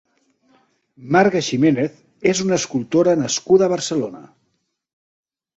Marga Ximenez és una escultora nascuda a Barcelona.